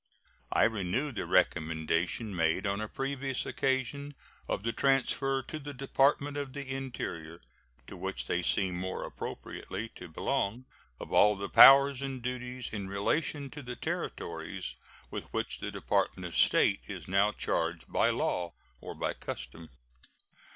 I renew the recommendation made on a previous occasion, of the transfer to the Department of the Interior, to which they seem more appropriately to belong, of all the powers and duties in relation to the Territories with which the Department of State is now charged by law or by custom.